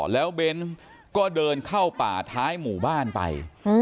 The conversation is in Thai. แล้วเบนส์ก็เดินเข้าป่าท้ายหมู่บ้านไป